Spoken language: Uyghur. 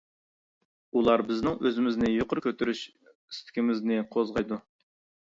ئۇلار بىزنىڭ ئۆزىمىزنى يۇقىرى كۆتۈرۈش ئىستىكىمىزنى قوزغايدۇ.